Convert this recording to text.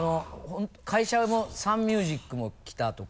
会社も「サンミュージック」も来たとか。